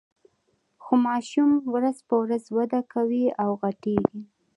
خو ماشوم ورځ په ورځ وده کوي او غټیږي.